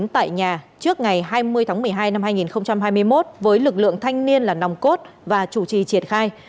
tại nhà trước ngày hai mươi tháng một mươi hai năm hai nghìn hai mươi một với lực lượng thanh niên là nòng cốt và chủ trì triển khai